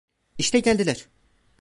İşte geldiler.